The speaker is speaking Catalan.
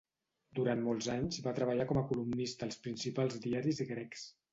Durant molts anys va treballar com a columnista als principals diaris grecs.